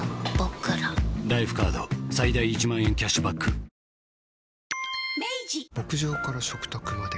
あぁ牧場から食卓まで。